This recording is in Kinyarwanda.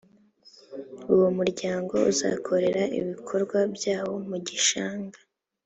uwo muryango uzakorera ibikorwa byawo mu gishanga